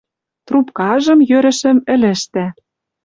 Трубкажым, йӧрӹшӹм, ӹлӹжтӓ.